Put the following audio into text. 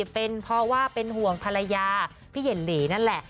เป็นเพราะว่าเป็นห่วงภรรยาพี่เย็นหลีนั่นแหละ